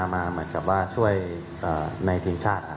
หมายถึงว่าช่วยในทีมชาติครับ